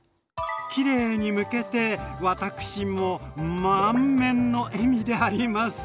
きれいにむけて私も満面の笑みであります。